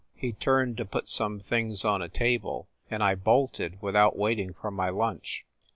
He turned to put some things on a table, and I bolted without waiting for my lunch.